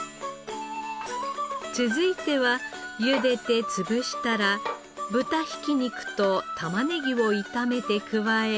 続いてはゆでて潰したら豚ひき肉と玉ねぎを炒めて加え